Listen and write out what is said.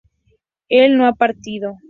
él no ha partido